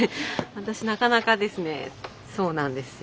私なかなかですねそうなんですよ。